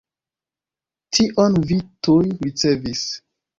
Tion vi tuj ricevis.